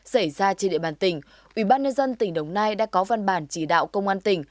xảy ra trên địa bàn tỉnh ubnd tỉnh đồng nai đã có văn bản chỉ đạo công an tỉnh